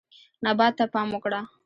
نبات ته پام وکړه.